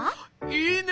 いいね。